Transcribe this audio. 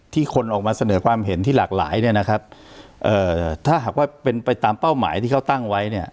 คนออกมาเสนอความเห็นที่หลากหลายเนี่ยนะครับเอ่อถ้าหากว่าเป็นไปตามเป้าหมายที่เขาตั้งไว้เนี่ย